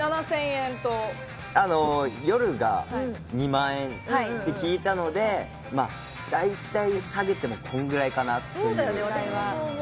佐々木さん、夜が２万円って聞いたので、大体下げても、こんくらいかなっていう。